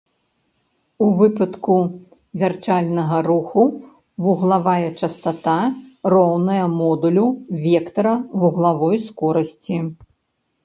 У выпадку вярчальнага руху, вуглавая частата роўная модулю вектара вуглавой скорасці.